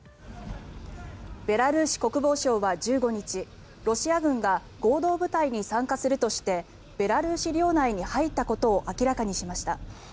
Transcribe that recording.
ベラルーシ国防省は１５日ロシア軍が合同部隊に参加するとしてベラルーシ領内に入ったことを明らかにしました。